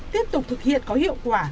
tiếp tục thực hiện có hiệu quả